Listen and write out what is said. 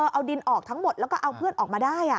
เอาดินออกทั้งหมดแล้วก็เอาเพื่อนออกมาได้